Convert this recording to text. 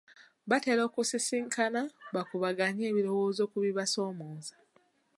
Batera okusisinkana bakubaganya ebirowooza ku bibasoomooza.